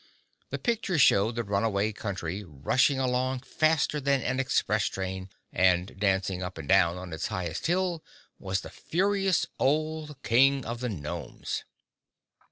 The picture showed the Runaway Country rushing along faster than an express train and dancing up and down on its highest hill was the furious old King of the Gnomes.